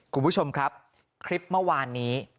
คุณผู้ชมครับคลิปเมื่อวานนี้